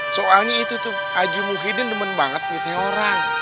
soalnya itu tuh haji muhyiddin demen banget ngitnya orang